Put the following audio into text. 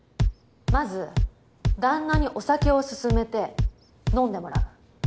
まず旦那にお酒を勧めて飲んでもらう。